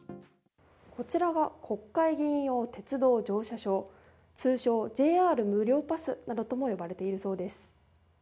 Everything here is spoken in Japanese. こちらが国会議員用鉄道乗車証通称ＪＲ無料パスなどとも呼ばれているそうです。